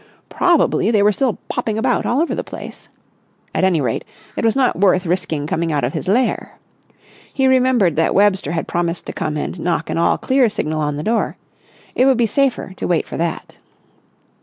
Probably they were still popping about all over the place. At any rate, it was not worth risking coming out of his lair. He remembered that Webster had promised to come and knock an all clear signal on the door. It would be safer to wait for that.